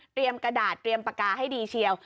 กระดาษเตรียมปากกาให้ดีเชียว